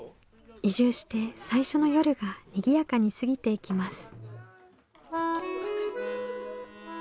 移住して最初の夜がにぎやかに過ぎていきます。